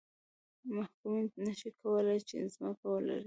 محکومین نه شي کولای چې ځمکه ولري.